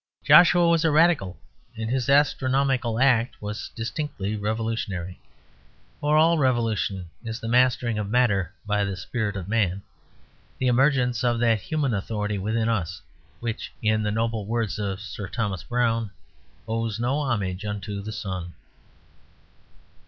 Joshua was a Radical, and his astronomical act was distinctly revolutionary. For all revolution is the mastering of matter by the spirit of man, the emergence of that human authority within us which, in the noble words of Sir Thomas Browne, "owes no homage unto the sun."